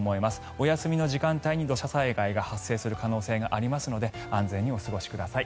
お休みの時間帯に土砂災害が発生する可能性がありますので安全にお過ごしください。